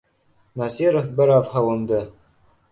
Насиров бер аҙ һыуынды: